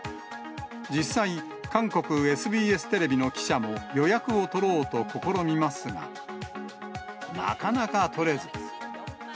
実際、韓国ＳＢＳテレビの記者も予約を取ろうと試みますが、なかなか取れず。